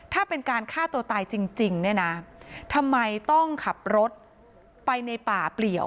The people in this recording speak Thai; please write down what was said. ถ้าเป็นการฆ่าตัวตายจริงเนี่ยนะทำไมต้องขับรถไปในป่าเปลี่ยว